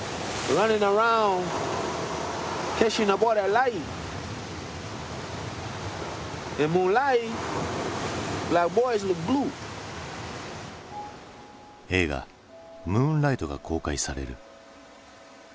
映画「ムーンライト」が公開される。